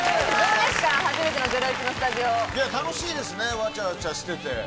楽しいですね、わちゃわちゃしてて。